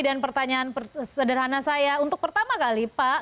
dan pertanyaan sederhana saya untuk pertama kali pak